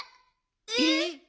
えっ！？